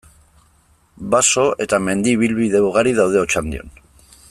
Baso eta mendi ibilbide ugari daude Otxandion.